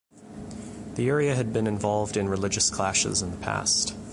The area had been involved in religious clashes in the past.